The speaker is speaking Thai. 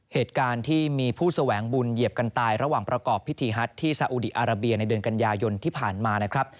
เหตุการณ์ที่มีผู้แสวงบุญเหยียบกันตายระหว่างประกอบพิธีฮัทที่สาอุดีอาราเบียในเดือนกันยายนที่ผ่านมานะครับ